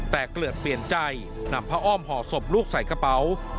แต่เกลือดเปลี่ยนใจนำผ้าอ้อมห่อศพลูกใส่กระเป๋า